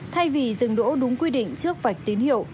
thay vì dừng đỗ đúng quy định trước vạch tín hiệu